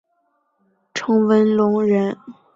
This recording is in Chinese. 陈文龙人。